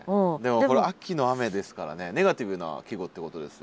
でもこれ「秋の雨」ですからねネガティブな季語ってことですよね